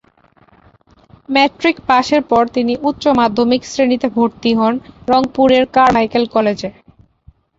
Matric পাশের পর তিনি উচ্চ মাধ্যমিক শ্রেণীতে ভর্তি হন রংপুরের কারমাইকেল কলেজে।